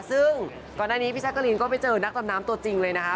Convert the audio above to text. ซึ่งก่อนหน้านี้พี่แจ๊กกะรีนก็ไปเจอนักดำน้ำตัวจริงเลยนะคะ